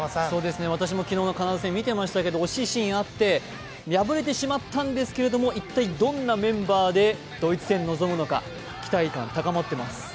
私も昨日のカナダ戦見ていましたけれども惜しいシーンがあって、敗れてしまったんですけど、一体どんなメンバーでドイツ戦に臨むのか、期待感、高まってます。